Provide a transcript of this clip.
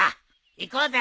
行こうぜ。